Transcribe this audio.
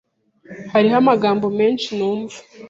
Hariho amagambo menshi ntumva.